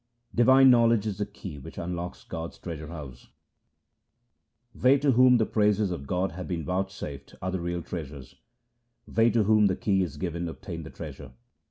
Divine knowledge is the key which unlocks God's treasure house :— They to whom the praises of God have been vouchsafed are the real treasures ; They to whom the key is given obtain the treasure.